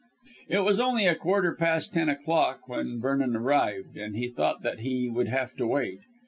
It was only a quarter past ten o'clock when Vernon arrived, and he thought that he would have to wait.